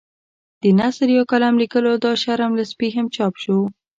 د نثر یا کالم لیکلو دا شرم له سپي هم چاپ شو.